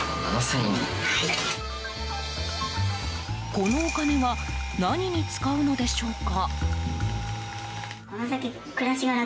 このお金は何に使うのでしょうか？